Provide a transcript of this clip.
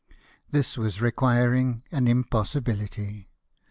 This was requiring an impossibihty.